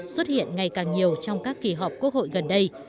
xuất hiện ngày càng nhiều trong các kỳ họp quốc hội gần đây